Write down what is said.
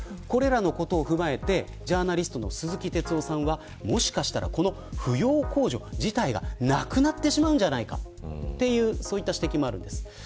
これらのことを踏まえてジャーナリストの鈴木哲夫さんはもしかしたら、扶養控除自体がなくなってしまうんじゃないかという指摘もあるんです。